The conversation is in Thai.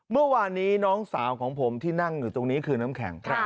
เมื่อวานนี้น้องสาวของผมที่นั่งอยู่ตรงนี้คือน้ำแข็ง